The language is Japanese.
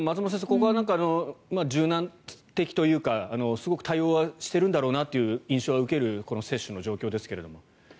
ここは柔軟的というかすごく対応はしてるんだろうなという印象を受けるこの接種の状況ですけれど。